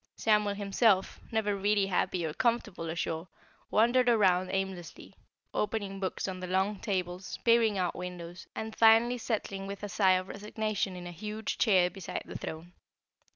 Samuel himself, never really happy or comfortable ashore, wandered about aimlessly, opening books on the long tables, peering out windows, and finally settling with a sigh of resignation in a huge chair beside the throne.